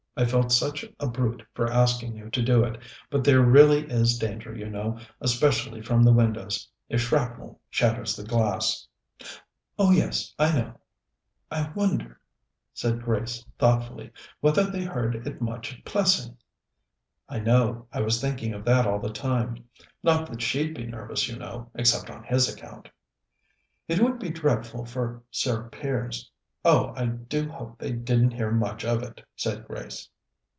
I felt such a brute for asking you to do it; but there really is danger, you know, especially from the windows, if shrapnel shatters the glass." "Oh yes, I know. I wonder," said Grace thoughtfully, "whether they heard it much at Plessing." "I know. I was thinking of that all the time. Not that she'd be nervous, you know, except on his account." "It would be dreadful for Sir Piers. Oh, I do hope they didn't hear much of it," said Grace.